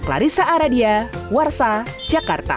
larissa aradia warsa jakarta